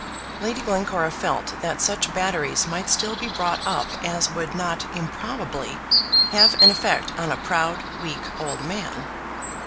Lady Glencora felt that such batteries might still be brought up as would not improbably have an effect on a proud, weak old man.